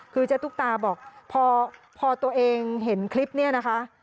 คือเจ๊ตุ๊กตาบอกพอตัวเองเห็นคลิปนี้นะคะ